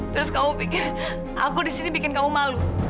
terus kamu pikir aku di sini bikin kamu malu